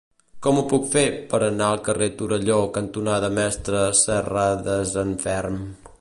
Com ho puc fer per anar al carrer Torelló cantonada Mestre Serradesanferm?